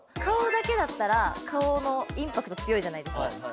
顔だけだったら顔のインパクト強いじゃないですか。